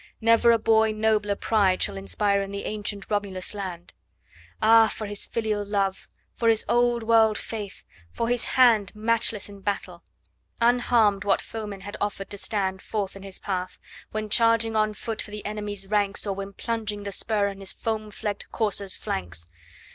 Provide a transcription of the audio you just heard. Never a boy Nobler pride shall inspire in the ancient Romulus land! Ah, for his filial love! for his old world faith! for his hand Matchless in battle! Unharmed what foemen had offered to stand Forth in his path, when charging on foot for the enemy's ranks Or when plunging the spur in his foam flecked courser's flanks!